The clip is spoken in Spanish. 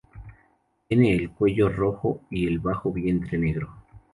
Tiene el cuello rojo y el bajo vientre negro.